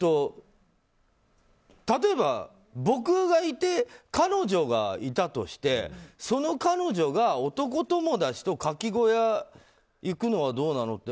例えば僕がいて彼女がいたとしてその彼女が男友達とかき小屋行くのはどうなの？